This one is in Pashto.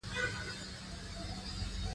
هدايتکار ئې Kevin Reynolds دے